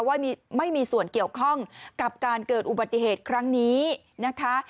ว่าไม่มีส่วนเกี่ยวข้องกับการเกิดอุบัติเหตุครั้งนี้นะคะ